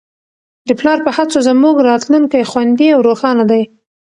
د پلار په هڅو زموږ راتلونکی خوندي او روښانه دی.